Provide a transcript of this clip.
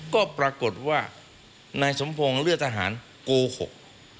ก็ปรากฏว่านายสมพงศ์เลือดทหารโกหก